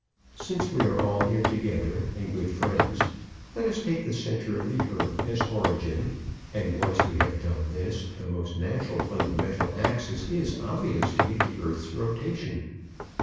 Since we are all here together, and good friends, let us take the center of the earth as origin, and, once we have done this, the most natural fundamental axis is, obviously, the earth's rotation.